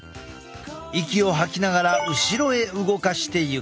息を吐きながら後ろへ動かしていく。